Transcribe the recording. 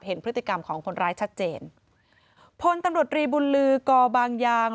เห็นพฤติกรรมของคนร้ายชัดเจนพลตำรวจรีบุญลือกอบางยาง